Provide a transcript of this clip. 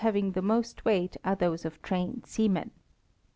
having the most weight are those of trained seamen.